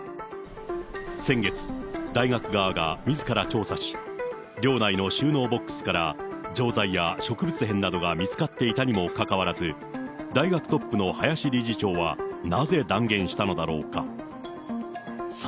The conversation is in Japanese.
先月、大学側がみずから調査し、寮内の収納ボックスから、錠剤や植物片などが見つかっていたにもかかわらず、大学トップの林理事長はなぜ断言したのだろうか。